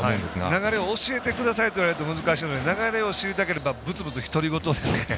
流れを教えてくださいといわれると難しいので流れを知りたいならぶつぶつ独り言ですね。